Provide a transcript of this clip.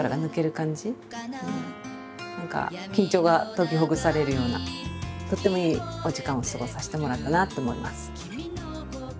何か緊張が解きほぐされるようなとってもいいお時間を過ごさせてもらったなと思います。